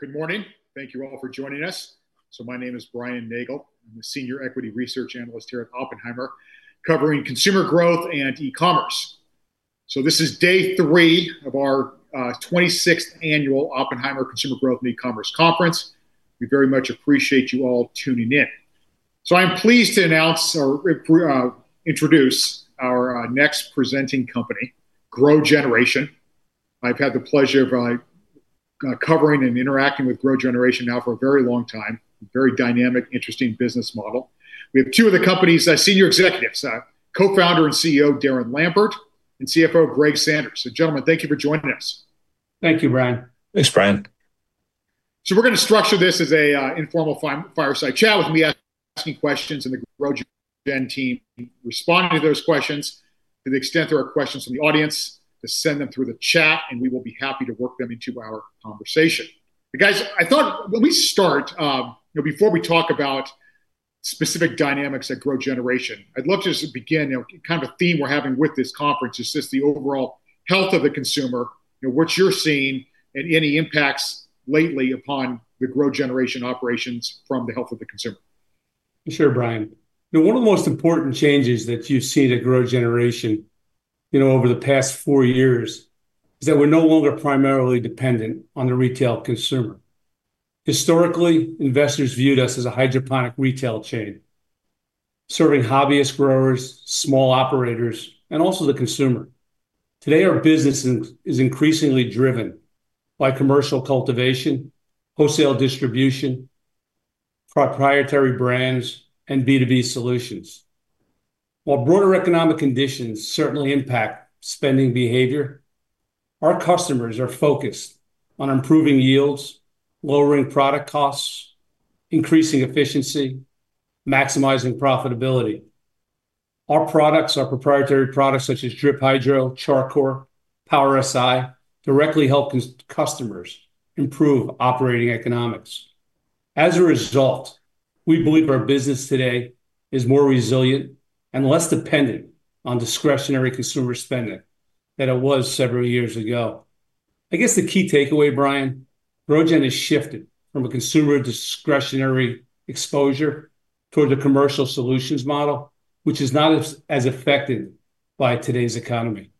Good morning. Thank you all for joining us. My name is Brian Nagel. I'm the Senior Equity Research Analyst here at Oppenheimer, covering consumer growth and e-commerce. This is day 3 of our 26th annual Oppenheimer Consumer Growth and E-commerce Conference. We very much appreciate you all tuning in. I'm pleased to announce or introduce our next presenting company, GrowGeneration. I've had the pleasure of covering and interacting with GrowGeneration now for a very long time. Very dynamic, interesting business model. We have two of the company's senior executives, Co-Founder and CEO, Darren Lampert, and CFO, Greg Sanders. Gentlemen, thank you for joining us. Thank you, Brian. Thanks, Brian. We're going to structure this as an informal fireside chat with me asking questions and the GrowGen team responding to those questions. To the extent there are questions from the audience, just send them through the chat and we will be happy to work them into our conversation. Guys, I thought when we start, before we talk about specific dynamics at GrowGeneration, I'd love to just begin, kind of a theme we're having with this conference is just the overall health of the consumer, what you're seeing and any impacts lately upon the GrowGeneration operations from the health of the consumer. Sure, Brian. One of the most important changes that you've seen at GrowGeneration over the past four years is that we're no longer primarily dependent on the retail consumer. Historically, investors viewed us as a hydroponic retail chain, serving hobbyist growers, small operators, and also the consumer. Today, our business is increasingly driven by commercial cultivation, wholesale distribution, proprietary brands, and B2B solutions. While broader economic conditions certainly impact spending behavior, our customers are focused on improving yields, lowering product costs, increasing efficiency, maximizing profitability. Our products, our proprietary products such as Drip Hydro, Char Coir, Power Si, directly help customers improve operating economics. As a result, we believe our business today is more resilient and less dependent on discretionary consumer spending than it was several years ago. I guess the key takeaway, Brian, GrowGen has shifted from a consumer discretionary exposure toward the commercial solutions model, which is not as affected by today's economy.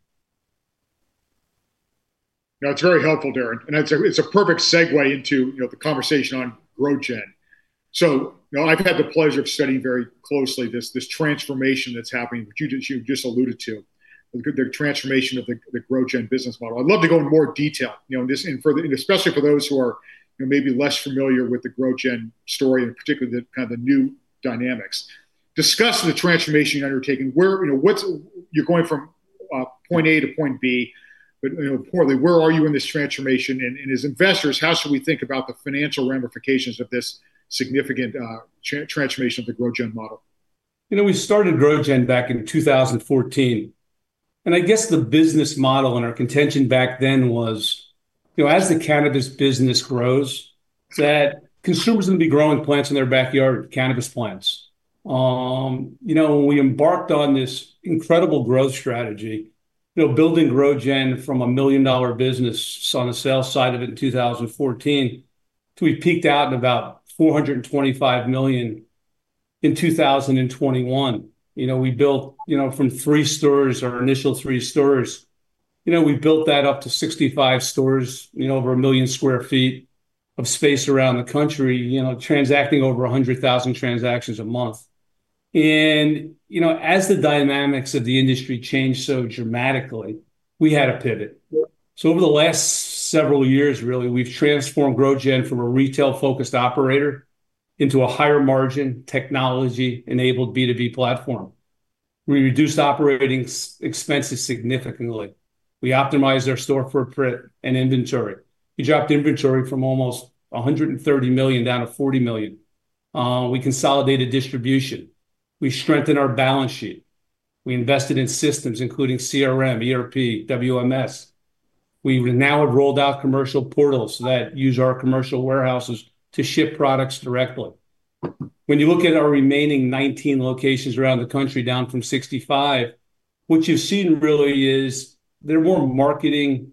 No, it's very helpful, Darren. It's a perfect segue into the conversation on GrowGen. I've had the pleasure of studying very closely this transformation that's happening, which you've just alluded to, the transformation of the GrowGen business model. I'd love to go into more detail, especially for those who are maybe less familiar with the GrowGen story, particularly the kind of the new dynamics. Discuss the transformation you're undertaking. You're going from point A to point B, importantly where are you in this transformation, and as investors, how should we think about the financial ramifications of this significant transformation of the GrowGen model? We started GrowGen back in 2014. I guess the business model and our contention back then was, as the cannabis business grows, that consumers are going to be growing plants in their backyard, cannabis plants. When we embarked on this incredible growth strategy, building GrowGen from a million-dollar business on the sales side of it in 2014, till we peaked out in about $425 million in 2021. We built from three stores, our initial three stores, we built that up to 65 stores, over a million square feet of space around the country, transacting over 100,000 transactions a month. As the dynamics of the industry changed so dramatically, we had to pivot. Over the last several years, really, we've transformed GrowGen from a retail-focused operator into a higher margin technology-enabled B2B platform. We reduced operating expenses significantly. We optimized our store footprint and inventory. We dropped inventory from almost $130 million down to $40 million. We consolidated distribution. We strengthened our balance sheet. We invested in systems including CRM, ERP, WMS. We now have rolled out commercial portals that use our commercial warehouses to ship products directly. When you look at our remaining 19 locations around the country, down from 65, what you've seen really is they're more marketing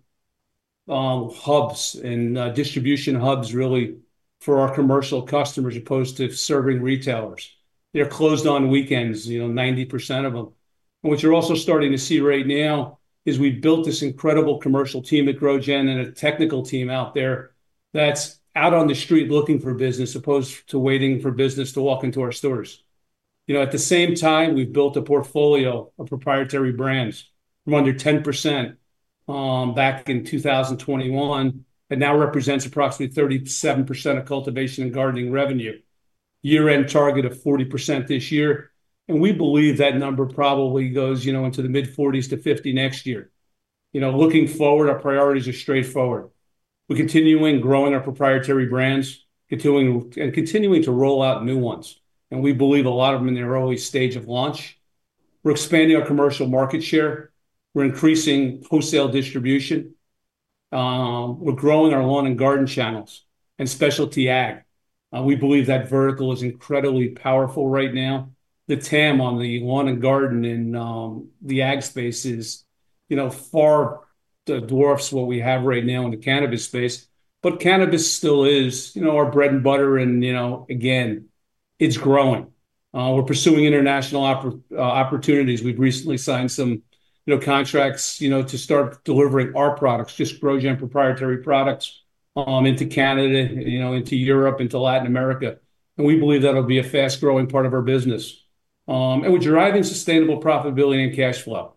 hubs and distribution hubs, really, for our commercial customers as opposed to serving retailers. They're closed on weekends, 90% of them. What you're also starting to see right now is we've built this incredible commercial team at GrowGen and a technical team out there that's out on the street looking for business as opposed to waiting for business to walk into our stores. At the same time, we've built a portfolio of proprietary brands from under 10% back in 2021. It now represents approximately 37% of cultivation and gardening revenue, year-end target of 40% this year. We believe that number probably goes into the mid-40s to 50 next year. Looking forward, our priorities are straightforward. We're continuing growing our proprietary brands, continuing to roll out new ones, and we believe a lot of them are in the early stage of launch. We're expanding our commercial market share. We're increasing wholesale distribution. We're growing our lawn and garden channels and specialty ag. We believe that vertical is incredibly powerful right now. The TAM on the lawn and garden and the ag space is far dwarfs what we have right now in the cannabis space. Cannabis still is our bread and butter and, again, it's growing. We're pursuing international opportunities. We've recently signed some contracts to start delivering our products, just GrowGen proprietary products, into Canada, into Europe, into Latin America. We believe that'll be a fast-growing part of our business. We're deriving sustainable profitability and cash flow.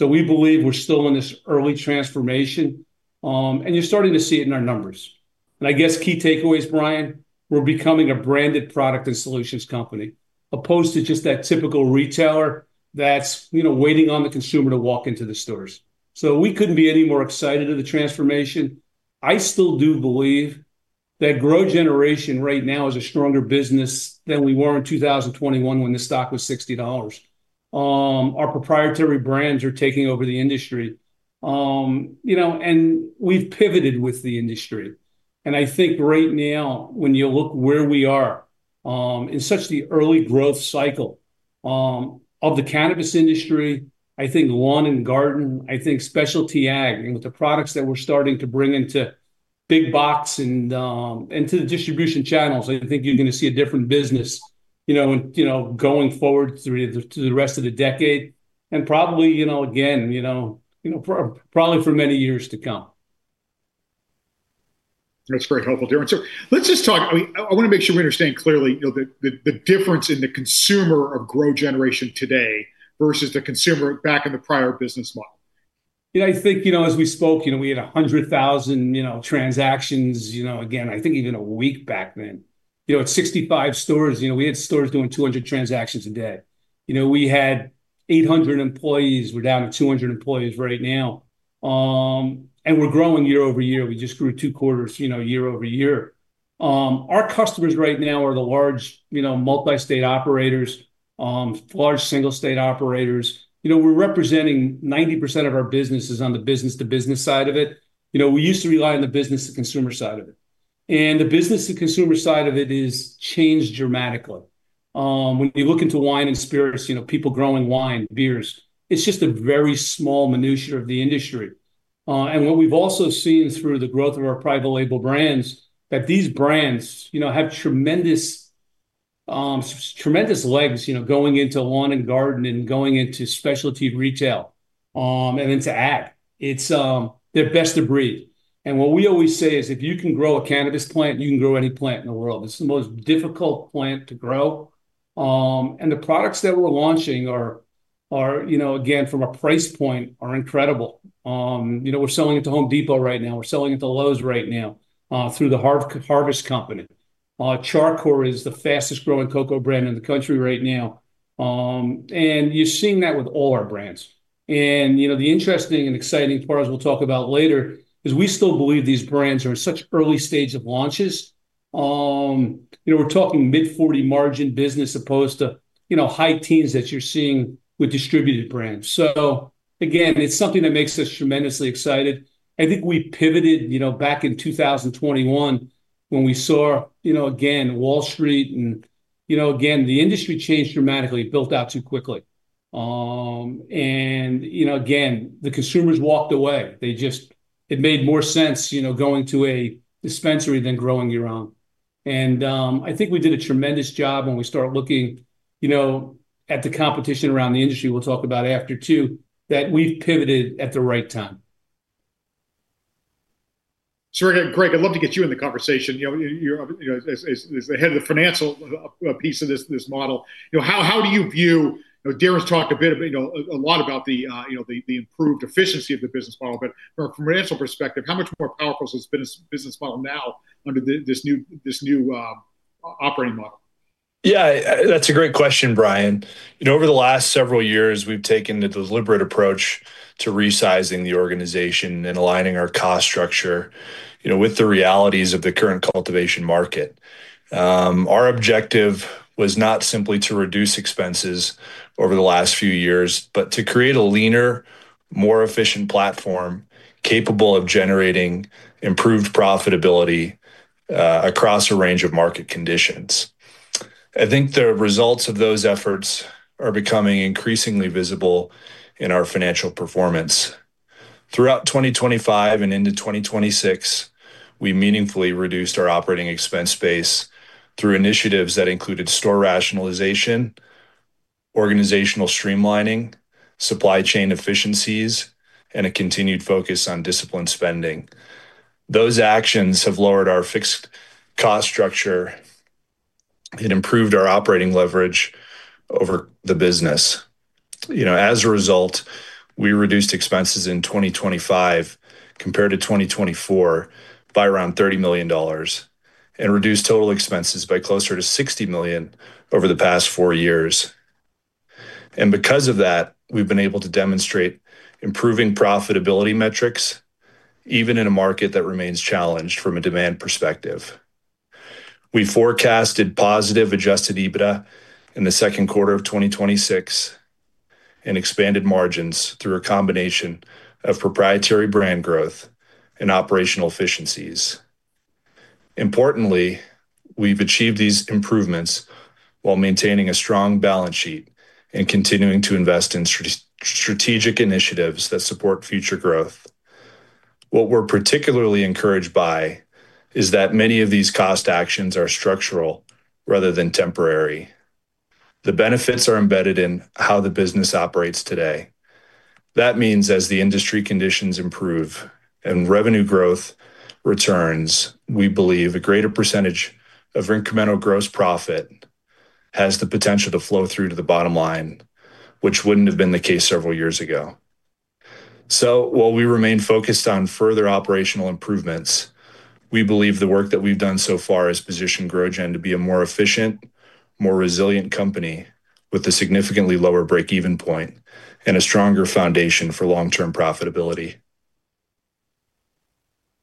We believe we're still in this early transformation, and you're starting to see it in our numbers. I guess key takeaways, Brian, we're becoming a branded product and solutions company opposed to just that typical retailer that's waiting on the consumer to walk into the stores. We couldn't be any more excited of the transformation. I still do believe that GrowGeneration right now is a stronger business than we were in 2021 when the stock was $60. Our proprietary brands are taking over the industry, and we've pivoted with the industry. I think right now, when you look where we are, in such the early growth cycle of the cannabis industry, I think lawn and garden, I think specialty ag, and with the products that we're starting to bring into big box and to the distribution channels, I think you're going to see a different business going forward through to the rest of the decade and probably for many years to come. That's very helpful, Darren. I want to make sure we understand clearly the difference in the consumer of GrowGeneration today versus the consumer back in the prior business model. Yeah, I think, as we spoke, we had 100,000 transactions, again, I think even a week back then. At 65 stores, we had stores doing 200 transactions a day. We had 800 employees. We're down to 200 employees right now. We're growing year-over-year. We just grew two quarters year-over-year. Our customers right now are the large multi-state operators, large single-state operators. We're representing 90% of our businesses on the business-to-business side of it. We used to rely on the business-to-consumer side of it, and the business-to-consumer side of it is changed dramatically. When you look into wine and spirits, people growing wine, beers, it's just a very small minutia of the industry. What we've also seen through the growth of our private label brands, that these brands have tremendous legs going into lawn and garden and going into specialty retail, and into ag. They're best of breed, what we always say is, if you can grow a cannabis plant, you can grow any plant in the world. It's the most difficult plant to grow. The products that we're launching are, again, from a price point, are incredible. We're selling at The Home Depot right now. We're selling at the Lowe's right now, through The Harvest Company. Char Coir is the fastest-growing coco brand in the country right now. You're seeing that with all our brands. The interesting and exciting part, as we'll talk about later, is we still believe these brands are in such early stage of launches. We're talking mid-40 margin business as opposed to high teens that you're seeing with distributed brands. Again, it's something that makes us tremendously excited. I think we pivoted back in 2021 when we saw, again, Wall Street and again, the industry changed dramatically, built out too quickly. Again, the consumers walked away. It made more sense going to a dispensary than growing your own. I think we did a tremendous job when we started looking at the competition around the industry, we'll talk about after too, that we've pivoted at the right time. Greg, I'd love to get you in the conversation. As the head of the financial piece of this model, how do you view, Darren's talked a lot about the improved efficiency of the business model, but from a financial perspective, how much more powerful is this business model now under this new operating model? Yeah, that's a great question, Brian. Over the last several years, we've taken a deliberate approach to resizing the organization and aligning our cost structure with the realities of the current cultivation market. Our objective was not simply to reduce expenses over the last few years, but to create a leaner, more efficient platform capable of generating improved profitability across a range of market conditions. I think the results of those efforts are becoming increasingly visible in our financial performance. Throughout 2025 and into 2026, we meaningfully reduced our operating expense base through initiatives that included store rationalization, organizational streamlining, supply chain efficiencies, and a continued focus on disciplined spending. Those actions have lowered our fixed cost structure and improved our operating leverage over the business. As a result, we reduced expenses in 2025 compared to 2024 by around $30 million and reduced total expenses by closer to $60 million over the past four years. Because of that, we've been able to demonstrate improving profitability metrics, even in a market that remains challenged from a demand perspective. We forecasted positive adjusted EBITDA in the second quarter of 2026. We expanded margins through a combination of proprietary brand growth and operational efficiencies. Importantly, we've achieved these improvements while maintaining a strong balance sheet and continuing to invest in strategic initiatives that support future growth. What we're particularly encouraged by is that many of these cost actions are structural rather than temporary. The benefits are embedded in how the business operates today. That means as the industry conditions improve and revenue growth returns, we believe a greater percentage of incremental gross profit has the potential to flow through to the bottom line, which wouldn't have been the case several years ago. While we remain focused on further operational improvements, we believe the work that we've done so far has positioned GrowGen to be a more efficient, more resilient company with a significantly lower break-even point and a stronger foundation for long-term profitability.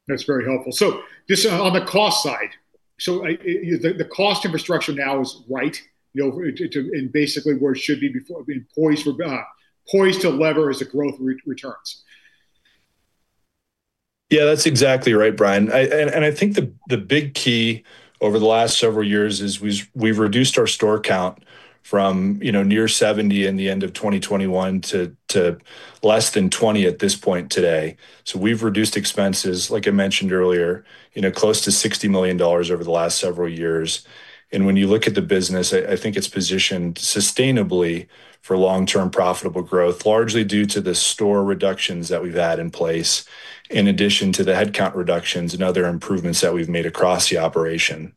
That's very helpful. Just on the cost side, the cost infrastructure now is right, and basically where it should be, poised to lever as the growth returns. Yeah, that's exactly right, Brian. I think the big key over the last several years is we've reduced our store count from near 70 in the end of 2021 to less than 20 at this point today. We've reduced expenses, like I mentioned earlier, close to $60 million over the last several years. When you look at the business, I think it's positioned sustainably for long-term profitable growth, largely due to the store reductions that we've had in place, in addition to the headcount reductions and other improvements that we've made across the operation.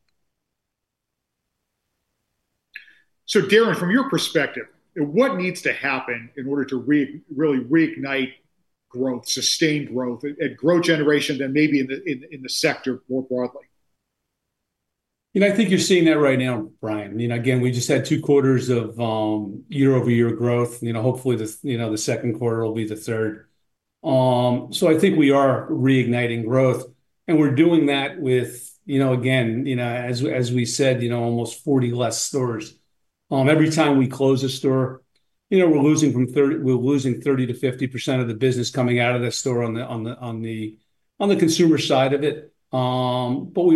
Darren, from your perspective, what needs to happen in order to really reignite growth, sustained growth, at GrowGeneration than maybe in the sector more broadly? I think you're seeing that right now, Brian. Again, we just had two quarters of year-over-year growth. Hopefully, the second quarter will be the third. I think we are reigniting growth, and we're doing that with, again, as we said, almost 40 less stores. Every time we close a store, we're losing 30%-50% of the business coming out of that store on the consumer side of it. We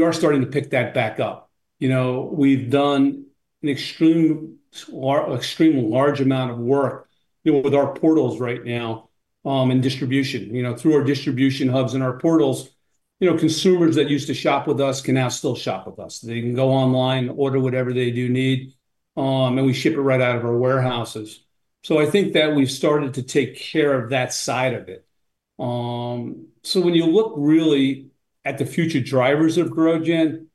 are starting to pick that back up. We've done an extreme large amount of work with our portals right now, and distribution. Through our distribution hubs and our portals, consumers that used to shop with us can now still shop with us. They can go online, order whatever they do need, and we ship it right out of our warehouses. I think that we've started to take care of that side of it. When you look really at the future drivers of GrowGen,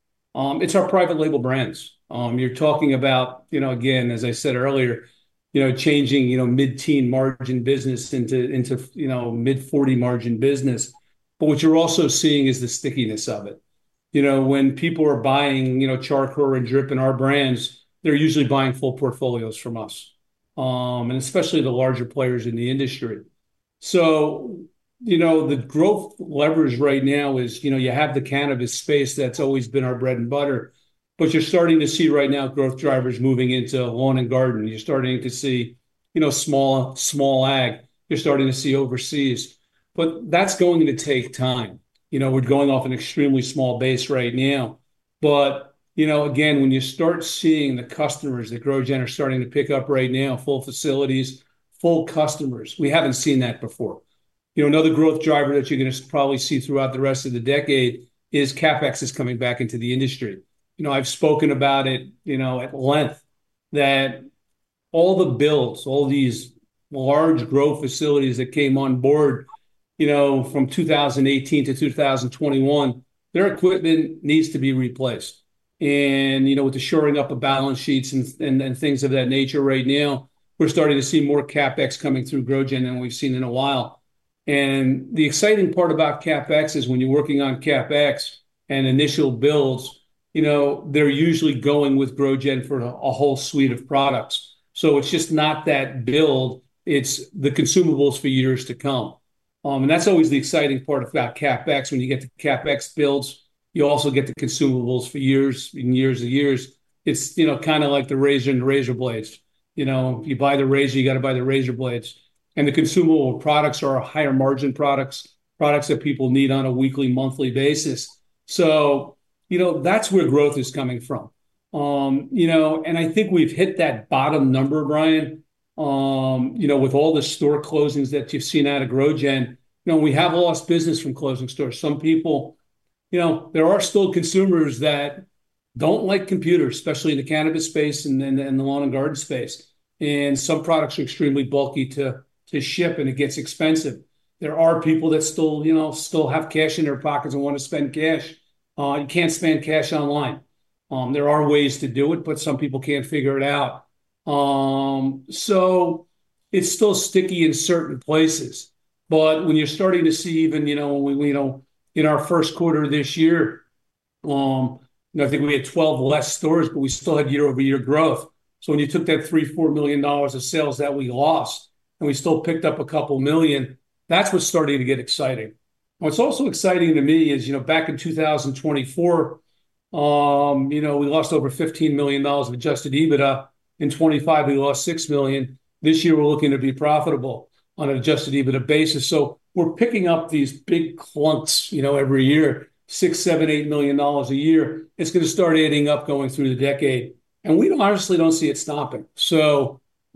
it's our private label brands. You're talking about, again, as I said earlier, changing mid-teen margin business into mid-40 margin business. What you're also seeing is the stickiness of it. When people are buying Char Coir and Drip and our brands, they're usually buying full portfolios from us, and especially the larger players in the industry. The growth leverage right now is you have the cannabis space that's always been our bread and butter, you're starting to see right now growth drivers moving into lawn and garden. You're starting to see small ag. You're starting to see overseas. That's going to take time. We're going off an extremely small base right now. Again, when you start seeing the customers that GrowGen are starting to pick up right now, full facilities, full customers, we haven't seen that before. Another growth driver that you're going to probably see throughout the rest of the decade is CapEx is coming back into the industry. I've spoken about it at length that all the builds, all these large grow facilities that came on board from 2018 to 2021, their equipment needs to be replaced. With the shoring up of balance sheets and things of that nature right now, we're starting to see more CapEx coming through GrowGen than we've seen in a while. The exciting part about CapEx is when you're working on CapEx and initial builds, they're usually going with GrowGen for a whole suite of products. It's just not that build, it's the consumables for years to come. That's always the exciting part about CapEx. When you get the CapEx builds, you also get the consumables for years, and years of years. It's kind of like the razor and razor blades. If you buy the razor, you got to buy the razor blades. The consumable products are our higher margin products that people need on a weekly, monthly basis. That's where growth is coming from. I think we've hit that bottom number, Brian. With all the store closings that you've seen out of GrowGen, we have lost business from closing stores. There are still consumers that don't like computers, especially in the cannabis space and the lawn and garden space. Some products are extremely bulky to ship, and it gets expensive. There are people that still have cash in their pockets and want to spend cash. You can't spend cash online. There are ways to do it, some people can't figure it out. It's still sticky in certain places. When you're starting to see even in our first quarter this year, I think we had 12 less stores, we still had year-over-year growth. When you took that $3 million, $4 million of sales that we lost, we still picked up a couple million, that's what's starting to get exciting. What's also exciting to me is back in 2024. We lost over $15 million of adjusted EBITDA. In 2025, we lost $6 million. This year, we're looking to be profitable on an adjusted EBITDA basis. We're picking up these big clumps every year, $6 million, $7 million, $8 million a year. It's going to start adding up going through the decade, we honestly don't see it stopping.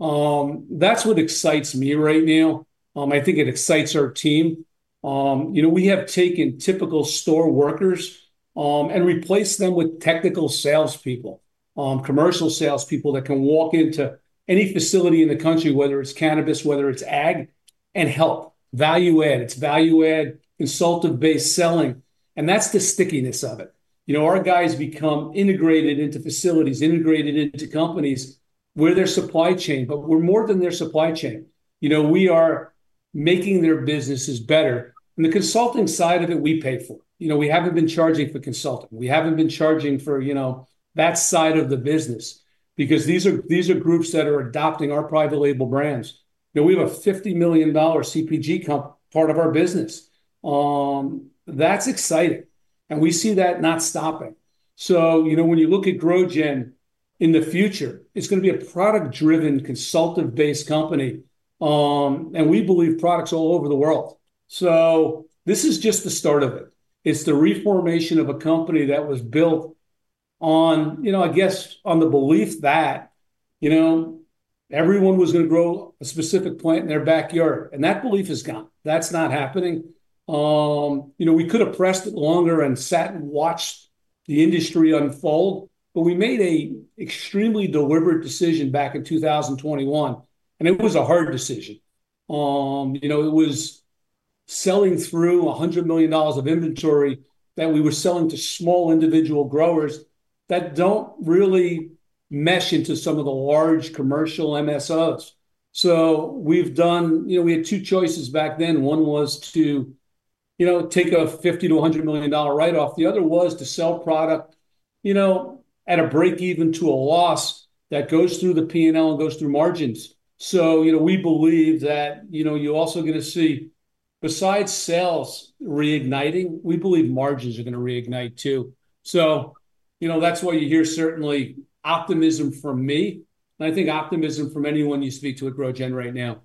That's what excites me right now. I think it excites our team. We have taken typical store workers and replaced them with technical salespeople, commercial salespeople that can walk into any facility in the country, whether it's cannabis, whether it's ag, and help. Value add. It's value add, consultative-based selling, and that's the stickiness of it. Our guys become integrated into facilities, integrated into companies. We're their supply chain, but we're more than their supply chain. We are making their businesses better, and the consulting side of it, we pay for. We haven't been charging for consulting. We haven't been charging for that side of the business because these are groups that are adopting our private label brands. We have a $50 million CPG part of our business. That's exciting, and we see that not stopping. When you look at GrowGen in the future, it's going to be a product-driven, consultative-based company, and we believe products all over the world. This is just the start of it. It's the reformation of a company that was built, I guess, on the belief that everyone was going to grow a specific plant in their backyard, and that belief is gone. That's not happening. We could have pressed it longer and sat and watched the industry unfold, we made a extremely deliberate decision back in 2021, and it was a hard decision. It was selling through $100 million of inventory that we were selling to small individual growers that don't really mesh into some of the large commercial MSOs. We had two choices back then. One was to take a $50 million-$100 million write-off. The other was to sell product at a break even to a loss that goes through the P&L and goes through margins. We believe that you're also going to see, besides sales reigniting, we believe margins are going to reignite, too. That's why you hear certainly optimism from me, and I think optimism from anyone you speak to at GrowGen right now.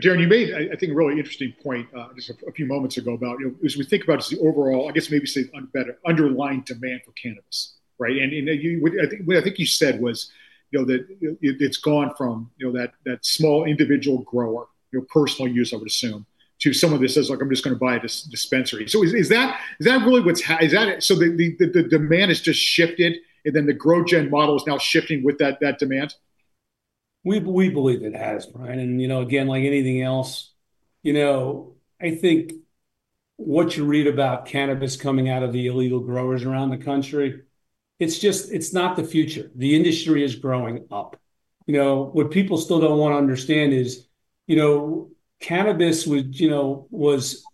Darren, you made, I think, a really interesting point just a few moments ago about as we think about just the overall, I guess maybe say better, underlying demand for cannabis. Right? What I think you said was that it's gone from that small individual grower, personal use, I would assume, to someone that says, "Look, I'm just going to buy a dispensary." Is that really the demand has just shifted, and then the GrowGen model is now shifting with that demand? We believe it has, Brian. Again, like anything else, I think what you read about cannabis coming out of the illegal growers around the country, it's not the future. The industry is growing up. What people still don't want to understand is cannabis was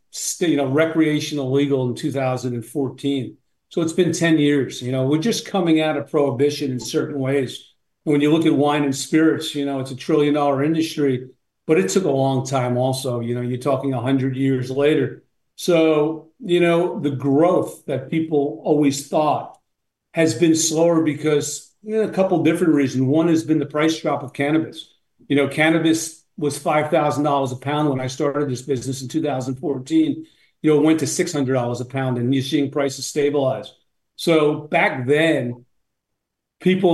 recreational legal in 2014, so it's been 10 years. We're just coming out of prohibition in certain ways. When you look at wine and spirits, it's a trillion-dollar industry, but it took a long time also. You're talking 100 years later. The growth that people always thought has been slower because a couple different reasons. One has been the price drop of cannabis. Cannabis was $5,000 a pound when I started this business in 2014. It went to $600 a pound, and you're seeing prices stabilize. Back then, people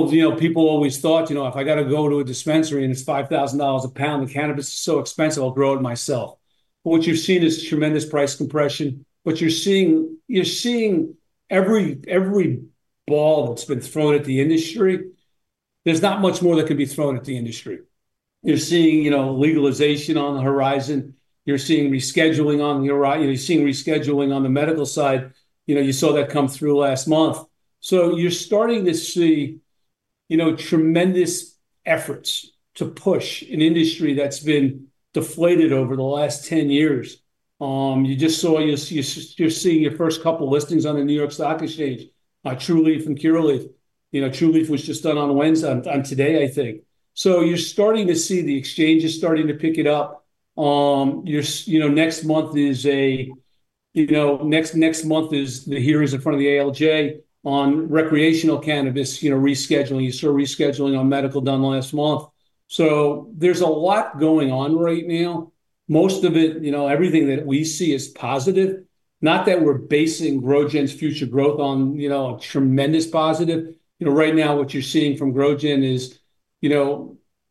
always thought, "If I got to go to a dispensary and it's $5,000 a pound and cannabis is so expensive, I'll grow it myself." What you've seen is tremendous price compression. What you're seeing, every ball that's been thrown at the industry, there's not much more that could be thrown at the industry. You're seeing legalization on the horizon. You're seeing rescheduling on the medical side. You saw that come through last month. You're starting to see tremendous efforts to push an industry that's been deflated over the last 10 years. You're seeing your first couple listings on the New York Stock Exchange, Trulieve and Curaleaf. Trulieve was just done on Wednesday, on today, I think. You're starting to see the exchanges starting to pick it up. Next month is the hearings in front of the ALJ on recreational cannabis rescheduling. You saw rescheduling on medical done last month. There's a lot going on right now. Most of it, everything that we see is positive. Not that we're basing GrowGen's future growth on tremendous positive. Right now, what you're seeing from GrowGen is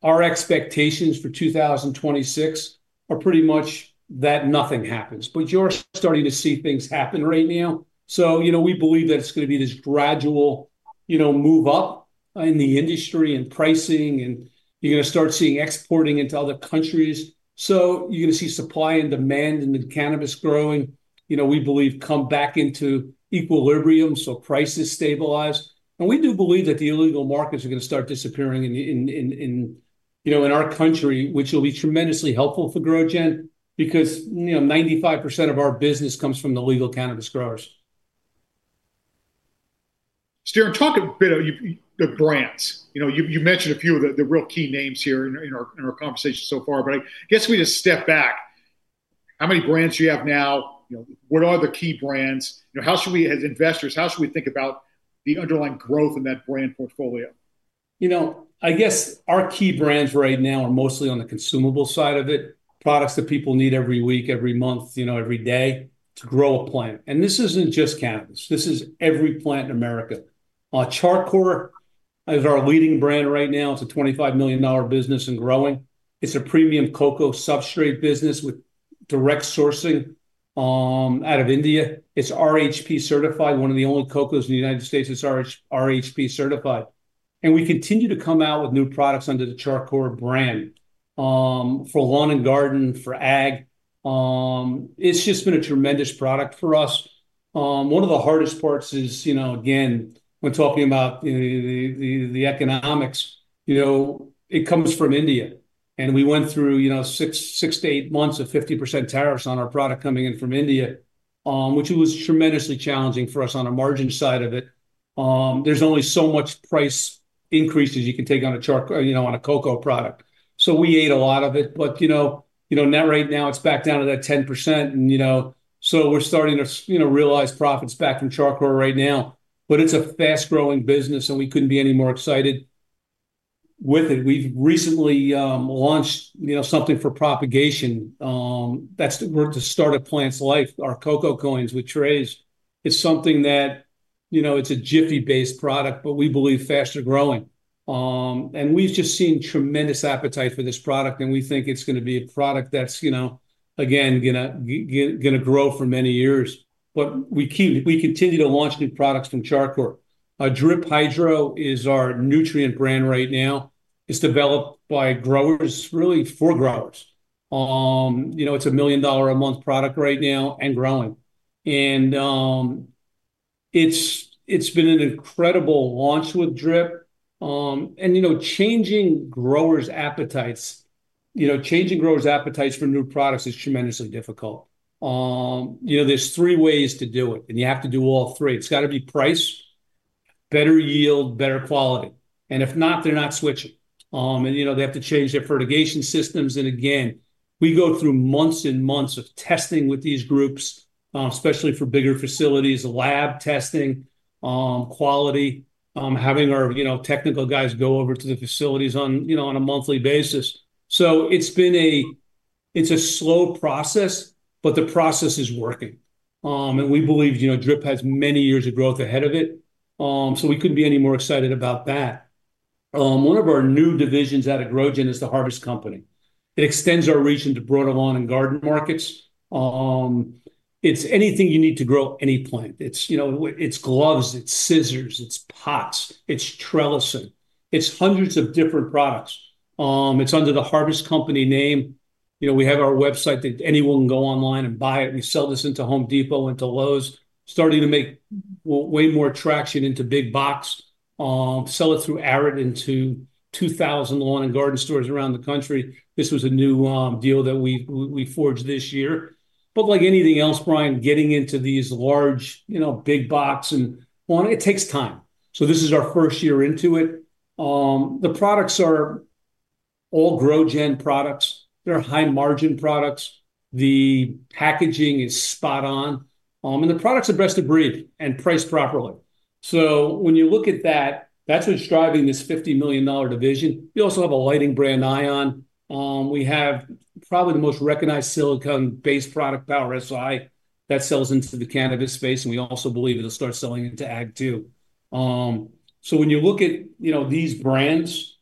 our expectations for 2026 are pretty much that nothing happens, but you're starting to see things happen right now. We believe that it's going to be this gradual move up in the industry and pricing, and you're going to start seeing exporting into other countries. You're going to see supply and demand in the cannabis growing, we believe, come back into equilibrium, so prices stabilize. We do believe that the illegal markets are going to start disappearing in our country, which will be tremendously helpful for GrowGen because 95% of our business comes from the legal cannabis growers. Darren, talk a bit of the brands. You mentioned a few of the real key names here in our conversation so far, but I guess we just step back. How many brands do you have now? What are the key brands? As investors, how should we think about the underlying growth in that brand portfolio? I guess our key brands right now are mostly on the consumable side of it, products that people need every week, every month, every day to grow a plant. This isn't just cannabis. This is every plant in America. Char Coir is our leading brand right now. It's a $25 million business and growing. It's a premium coco substrate business with direct sourcing out of India. It's RHP certified, one of the only cocos in the United States that's RHP certified. We continue to come out with new products under the Char Coir brand, for lawn and garden, for ag. It's just been a tremendous product for us. One of the hardest parts is, again, when talking about the economics, it comes from India. We went through six to eight months of 50% tariffs on our product coming in from India, which was tremendously challenging for us on the margin side of it. There's only so much price increases you can take on a coco product. We ate a lot of it, but net right now, it's back down to that 10%. We're starting to realize profits back from Char Coir right now. It's a fast-growing business, and we couldn't be any more excited with it. We've recently launched something for propagation. That's where to start a plant's life, our coco coins with trays. It's a Jiffy-based product, but we believe faster growing. We've just seen tremendous appetite for this product, and we think it's going to be a product that's, again, going to grow for many years. We continue to launch new products from Char Coir. Drip Hydro is our nutrient brand right now. It's developed by growers, really for growers. It's a million-dollar-a-month product right now and growing. It's been an incredible launch with Drip. Changing growers' appetites for new products is tremendously difficult. There's three ways to do it, and you have to do all three. It's got to be price, better yield, better quality. If not, they're not switching. They have to change their fertigation systems, and again, we go through months and months of testing with these groups, especially for bigger facilities, lab testing, quality, having our technical guys go over to the facilities on a monthly basis. It's a slow process, but the process is working. We believe Drip has many years of growth ahead of it, so we couldn't be any more excited about that. One of our new divisions out of GrowGen is The Harvest Company. It extends our reach into broader lawn and garden markets. It's anything you need to grow any plant. It's gloves, it's scissors, it's pots, it's trellising. It's hundreds of different products. It's under The Harvest Company name. We have our website that anyone can go online and buy it. We sell this into Home Depot, into Lowe's, starting to make way more traction into big box, sell it through [Arid] into 2,000 lawn and garden stores around the country. This was a new deal that we forged this year. Like anything else, Brian, getting into these large, big box and lawn, it takes time. This is our first year into it. The products are all GrowGen products. They're high-margin products. The packaging is spot on. The products are best of breed and priced properly. When you look at that's what's driving this $50 million division. We also have a lighting brand, ION. We have probably the most recognized silicon-based product, Power Si. That sells into the cannabis space, and we also believe it'll start selling into ag too. When you look at these brands,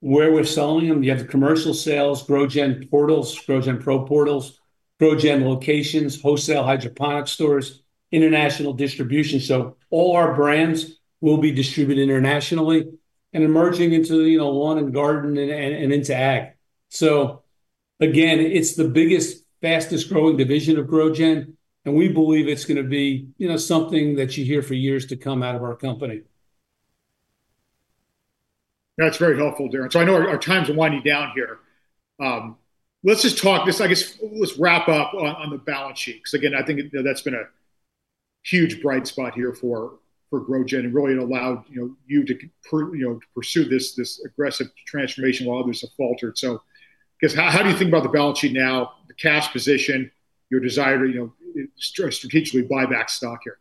where we're selling them, you have the commercial sales, GrowGen portals, GrowGen Pro portals, GrowGen locations, wholesale hydroponic stores, international distribution. All our brands will be distributed internationally and emerging into lawn and garden and into ag. Again, it's the biggest, fastest-growing division of GrowGen, and we believe it's going to be something that you hear for years to come out of our company. That's very helpful, Darren. I know our time's winding down here. Let's wrap up on the balance sheet, because again, I think that's been a huge bright spot here for GrowGen and really it allowed you to pursue this aggressive transformation while others have faltered. I guess, how do you think about the balance sheet now, the cash position, your desire to strategically buy back stock here?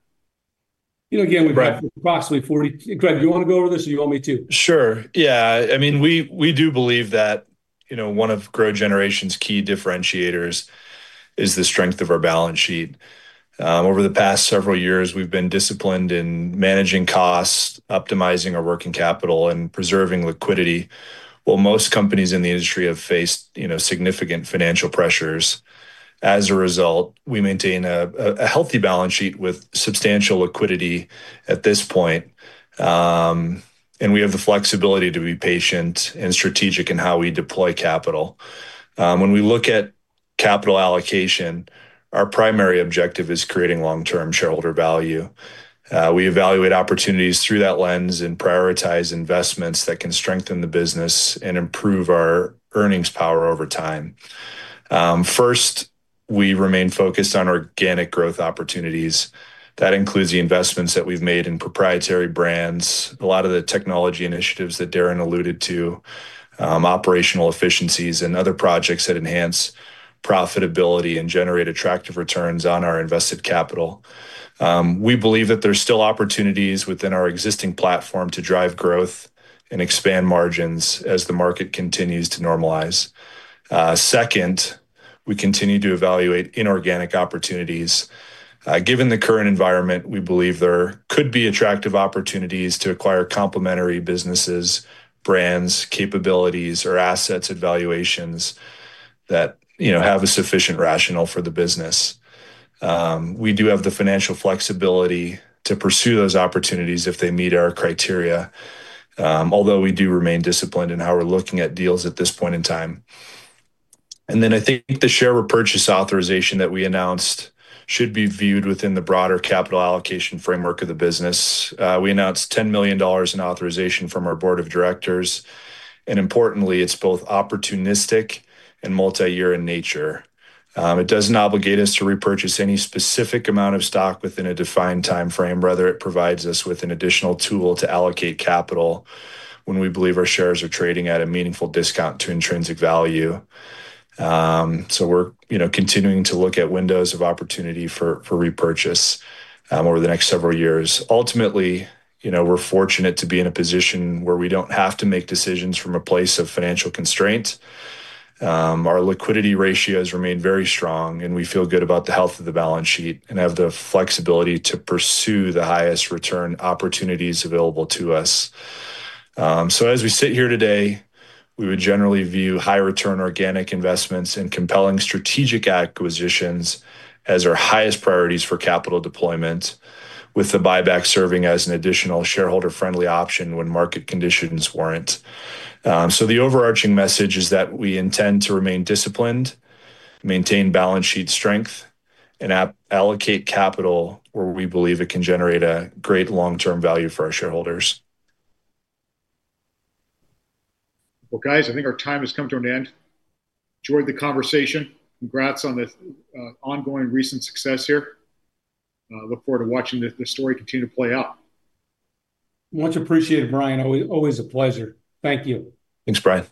We've got Greg, do you want to go over this or do you want me to? Sure. Yeah. We do believe that one of GrowGeneration's key differentiators is the strength of our balance sheet. Over the past several years, we've been disciplined in managing costs, optimizing our working capital, and preserving liquidity, while most companies in the industry have faced significant financial pressures. As a result, we maintain a healthy balance sheet with substantial liquidity at this point. We have the flexibility to be patient and strategic in how we deploy capital. When we look at capital allocation, our primary objective is creating long-term shareholder value. We evaluate opportunities through that lens and prioritize investments that can strengthen the business and improve our earnings power over time. We remain focused on organic growth opportunities. That includes the investments that we've made in proprietary brands, a lot of the technology initiatives that Darren alluded to, operational efficiencies and other projects that enhance profitability and generate attractive returns on our invested capital. We believe that there's still opportunities within our existing platform to drive growth and expand margins as the market continues to normalize. Second, we continue to evaluate inorganic opportunities. Given the current environment, we believe there could be attractive opportunities to acquire complementary businesses, brands, capabilities, or assets at valuations that have a sufficient rationale for the business. We do have the financial flexibility to pursue those opportunities if they meet our criteria, although we do remain disciplined in how we're looking at deals at this point in time. Then I think the share repurchase authorization that we announced should be viewed within the broader capital allocation framework of the business. We announced $10 million in authorization from our board of directors. Importantly, it's both opportunistic and multi-year in nature. It doesn't obligate us to repurchase any specific amount of stock within a defined timeframe. Rather, it provides us with an additional tool to allocate capital when we believe our shares are trading at a meaningful discount to intrinsic value. We're continuing to look at windows of opportunity for repurchase over the next several years. Ultimately, we're fortunate to be in a position where we don't have to make decisions from a place of financial constraint. Our liquidity ratios remain very strong. We feel good about the health of the balance sheet and have the flexibility to pursue the highest return opportunities available to us. As we sit here today, we would generally view high return organic investments and compelling strategic acquisitions as our highest priorities for capital deployment, with the buyback serving as an additional shareholder-friendly option when market conditions warrant. The overarching message is that we intend to remain disciplined, maintain balance sheet strength, and allocate capital where we believe it can generate a great long-term value for our shareholders. Well, guys, I think our time has come to an end. Enjoyed the conversation. Congrats on the ongoing recent success here. Look forward to watching this story continue to play out. Much appreciated, Brian. Always a pleasure. Thank you. Thanks, Brian.